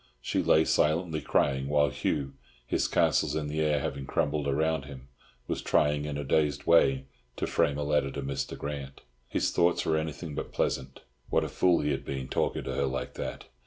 She lay silently crying, while Hugh, his castles in the air having crumbled around him, was trying in a dazed way to frame a letter to Mr. Grant. His thoughts were anything but pleasant. What a fool he had been, talking to her like that!